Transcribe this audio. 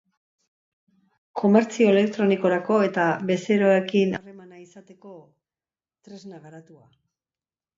Komertzio elektronikorako eta bezeroekin harremana izateko trenza garatua.